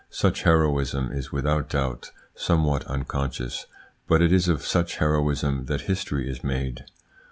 Such heroism is without doubt somewhat unconscious, but it is of such heroism that history is made.